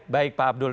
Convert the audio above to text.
baik pak abdul